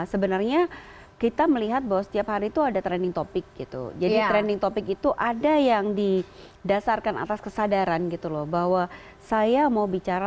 sebenarnya kita melihat bahwa setiap hari itu ada trending topic gitu jadi trending topic itu ada yang didasarkan atas kesadaran gitu loh bahwa saya mau bicara